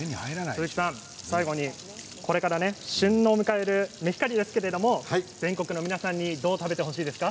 鈴木さん、最後にこれから旬を迎えるメヒカリですけれども全国の皆さんにどう食べてほしいですか？